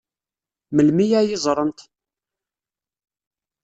Melmi ad iyi-ẓṛent?